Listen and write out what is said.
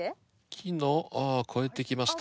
木のああ越えてきました。